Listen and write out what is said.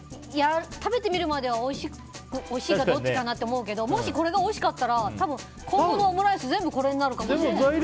食べてみるまではおいしいかなどっちかなと思うけどもしこれがおいしかったら今後のオムライス全部これになるかもしれない。